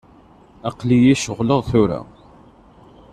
Aql-iyi ceɣleɣ tura.